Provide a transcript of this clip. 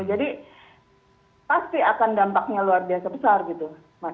jadi pasti akan dampaknya luar biasa besar gitu